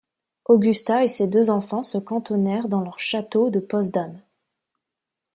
Augusta et ses deux enfants se cantonnèrent dans leur château de Potsdam.